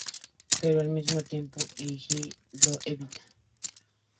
Pero al mismo tiempo Eiji lo evita.